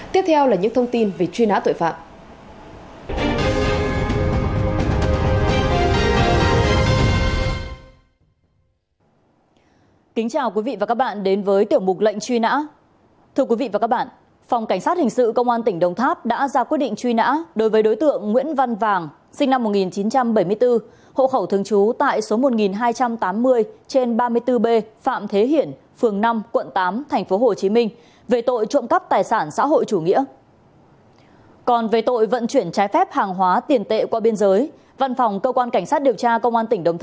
tiếp theo là những thông tin về truy nã tội phạm